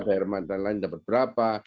daerah mantan lain dapat berapa